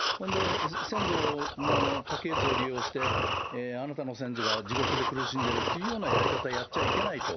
先祖の家系図を利用して、あなたの先祖が地獄で苦しんでいるっていうようなやり方やっちゃいけないと。